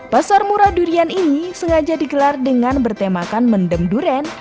pasar murah durian ini sengaja digelar dengan bertemakan mendem durian